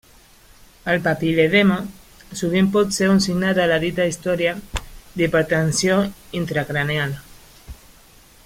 El papil·ledema sovint pot ser un signe de la dita història d'hipertensió intracranial.